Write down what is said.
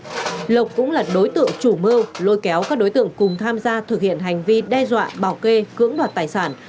mai vũ lộc cũng là đối tượng chủ mơ lôi kéo các đối tượng cùng tham gia thực hiện hành vi đe dọa bảo kê cưỡng đoạt tài sản